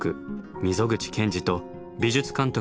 溝口健二と美術監督